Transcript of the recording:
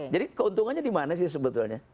jadi keuntungannya dimana sih sebetulnya